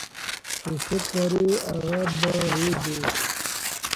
چي څه کرې ، هغه به رېبې.